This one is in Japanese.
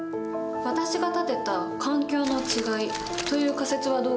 私が立てた「環境の違い」という仮説はどうかしら。